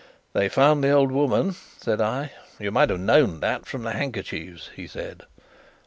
"They found the old woman," said I. "You might have known that from the handkerchiefs," he said.